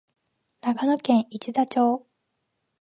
長野県池田町